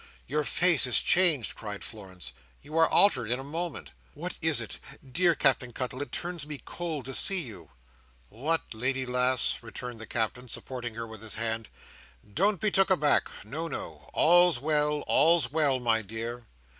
"Your face is changed," cried Florence. "You are altered in a moment. What is it? Dear Captain Cuttle, it turns me cold to see you!" "What! Lady lass," returned the Captain, supporting her with his hand, "don't be took aback. No, no! All's well, all's well, my dear.